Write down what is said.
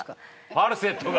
「ファルセットが」！